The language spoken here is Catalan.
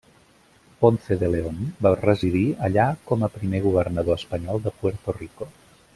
Ponce de León va residir allà com a primer governador espanyol de Puerto Rico.